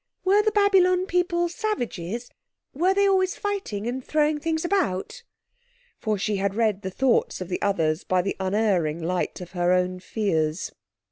"Were the Babylon people savages, were they always fighting and throwing things about?" For she had read the thoughts of the others by the unerring light of her own fears.